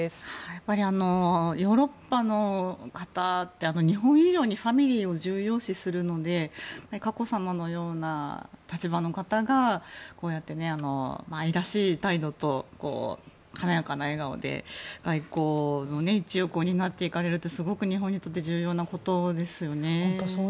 やっぱりヨーロッパの方って日本以上にファミリーを重要視するので佳子さまのような立場の方がこうやって愛らしい態度と華やかな笑顔で外交の一翼を担っていかれるってすごく日本にとって重要なことですよね。